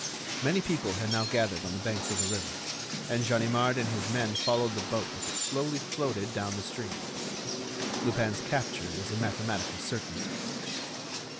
Many people had now gathered on the banks of the river, and Ganimard and his men followed the boat as it slowly floated down the stream. Lupin's capture was a mathematical certainty.